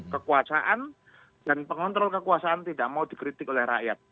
kekuasaan dan pengontrol kekuasaan tidak mau dikritik oleh rakyat